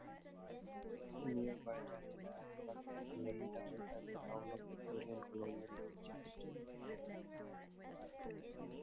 Nearby Ranelagh was laid out as the town of Victoria in colonial days.